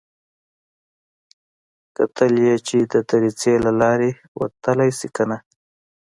کتل يې چې د دريڅې له لارې وتلی شي که نه.